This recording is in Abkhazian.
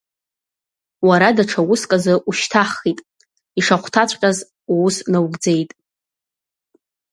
Уара даҽа уск азы ушьҭаҳхит, ишахәҭаҵәҟьаз уус наугӡеит.